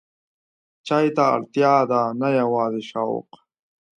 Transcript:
چای ته اړتیا ده، نه یوازې شوق.